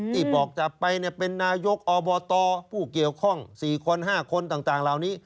ที่บอกจับไปเป็นนายกอบตผู้เกี่ยวข้อง๔คน๕คนต่างเหล่านี้